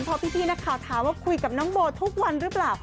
เพราะพี่นักข่าวถามว่าคุยกับน้องโบทุกวันหรือเปล่า